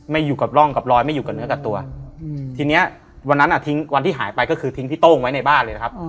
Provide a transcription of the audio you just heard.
อยู่กับร่องกับรอยไม่อยู่กับเนื้อกับตัวทีเนี้ยวันนั้นอ่ะทิ้งวันที่หายไปก็คือทิ้งพี่โต้งไว้ในบ้านเลยนะครับ